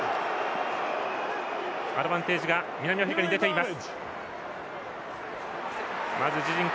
アドバンテージが南アフリカに出ています。